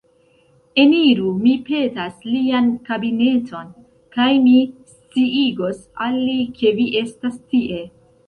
Eniru, mi petas, lian kabineton, kaj mi sciigos al li, ke vi estas tie.